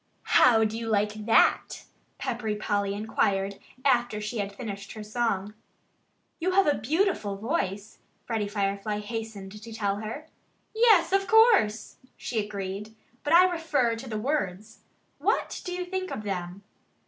"How do you like that?" Peppery Polly inquired, after she had finished her song. "You have a beautiful voice," Freddie Firefly hastened to tell her. "Yes of course!" she agreed. "But I refer to the words. What do you think of them?"